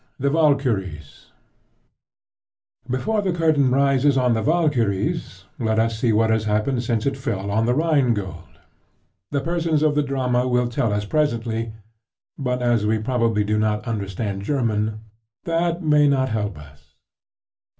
THE VALKYRIES Before the curtain rises on the Valkyries, let us see what has happened since it fell on The Rhine Gold. The persons of the drama will tell us presently; but as we probably do not understand German, that may not help us.